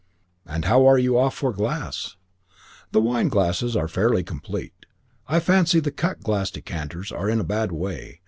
"And how are you off for glass?" "The wine glasses are fairly complete. I fancy the cut glass decanters are in a bad way.